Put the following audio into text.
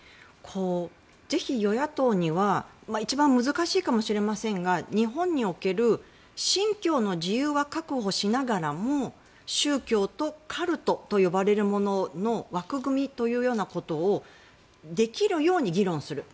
ぜひ、与野党には一番難しいかもしれませんが日本における信教の自由は確保しながらも宗教とカルトと呼ばれるものの枠組みみたいなことをできるように議論する。